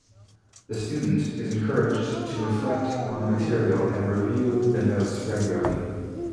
The student is encouraged to reflect on the material and review the notes regularly.